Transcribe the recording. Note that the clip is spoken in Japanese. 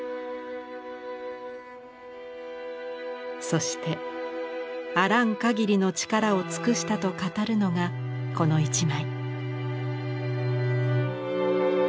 そして「あらんかぎりの力を尽くした」と語るのがこの一枚。